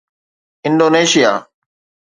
Indonesia